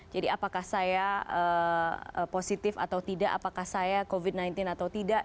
jadi apakah saya positif atau tidak apakah saya covid sembilan belas atau tidak